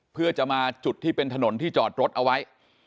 เพื่อจะมาจุดที่เป็นถนนที่จอดรถเอาไว้